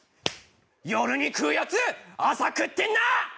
夜に食うやつ朝食ってんなあ！